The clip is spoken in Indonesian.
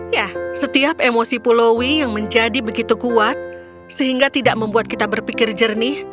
ya setiap emosi pulaui yang menjadi begitu kuat sehingga tidak membuat kita berpikir jernih